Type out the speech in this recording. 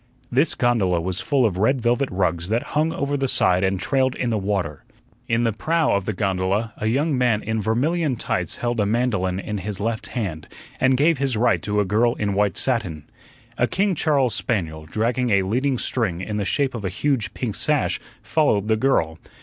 This gondola was full of red velvet rugs that hung over the side and trailed in the water. In the prow of the gondola a young man in vermilion tights held a mandolin in his left hand, and gave his right to a girl in white satin. A King Charles spaniel, dragging a leading string in the shape of a huge pink sash, followed the girl.